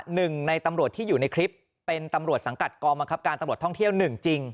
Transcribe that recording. หนึ่งในตำรวจที่อยู่ในคลิปเป็นตำรวจสังกัดกองบังคับการตำรวจท่องเที่ยวหนึ่งจริง